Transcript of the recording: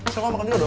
sama makan dulu dong